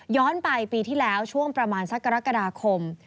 ไปปีที่แล้วช่วงประมาณสักกรกฎาคม